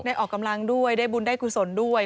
ออกกำลังด้วยได้บุญได้กุศลด้วย